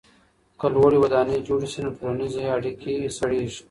که لوړې ودانۍ جوړې سي نو ټولنیزې اړیکې سړېږي.